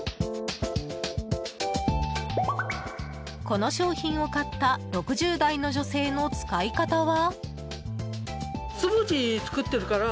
この商品を買った６０代の女性の使い方は？